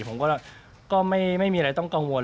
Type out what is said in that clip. ผมก็ไม่มีอะไรต้องกังวล